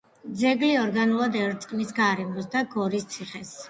ძეგლი ორგანულად ერწყმის გარემოს და გორის ციხეს.